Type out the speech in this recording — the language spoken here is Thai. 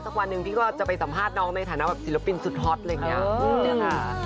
วันหนึ่งพี่ก็จะไปสัมภาษณ์น้องในฐานะแบบศิลปินสุดฮอตอะไรอย่างนี้